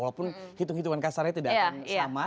walaupun hitung hitungan kasarnya tidak akan sama